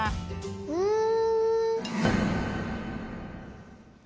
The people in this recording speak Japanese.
うん。